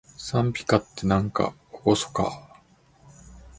讃美歌って、なんかおごそかー